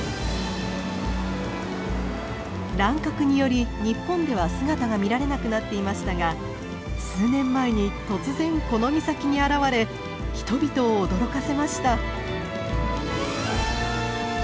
乱獲により日本では姿が見られなくなっていましたが数年前に突然この岬に現れ人々を驚かせました。